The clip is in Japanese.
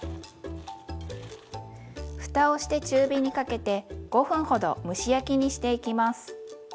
ふたをして中火にかけて５分ほど蒸し焼きにしていきます。